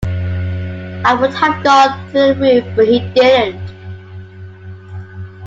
I would have gone through the roof but he didn't.